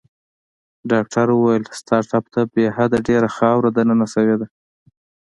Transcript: ډاکټر وویل: ستا ټپ ته بې حده ډېره خاوره دننه شوې ده.